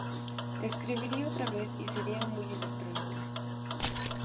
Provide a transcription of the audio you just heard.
Escribiría otra y sería muy electrónica.